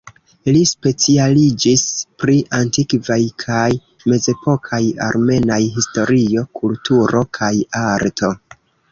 Li specialiĝis pri antikvaj kaj mezepokaj armenaj historio, kulturo kaj arto.